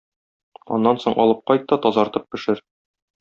Аннан соң алып кайт та тазартып пешер.